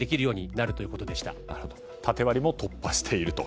なるほど縦割りも突破していると。